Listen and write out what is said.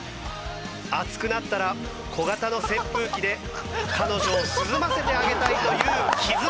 暑くなったら小型の扇風機で彼女を涼ませてあげたいという気遣いとともに。